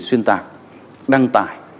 xuyên tạc đăng tải